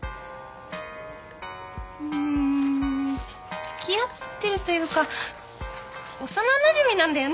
うん付き合ってるというか幼なじみなんだよね。